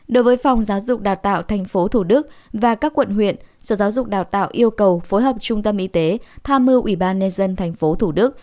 đối với phòng giáo dục đào tạo tp thủ đức và các quận huyện sở giáo dục đào tạo yêu cầu phối hợp trung tâm y tế tham mưu ủy ban nhân dân tp thủ đức